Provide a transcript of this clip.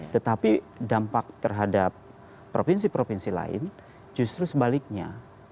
tetapi dampak terhadap provinsi provinsi lain justru sebaliknya